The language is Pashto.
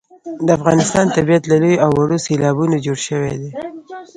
د افغانستان طبیعت له لویو او وړو سیلابونو جوړ شوی دی.